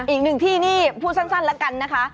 อีกหนึ่งที่นี่พูดสั้นแล้วกันนะคะ